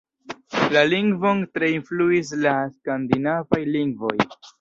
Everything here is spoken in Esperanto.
La lingvon tre influis la skandinavaj lingvoj.